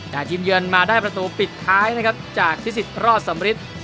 แต่ทีมเยือนมาได้ประตูปิดท้ายนะครับจากพิสิทธิรอดสำริท